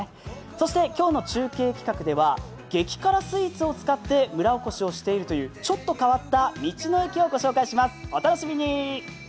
そして今日の中継企画では激辛スイーツを使って村おこしをしているというちょっと変わった道の駅を御紹介します、お楽しみに。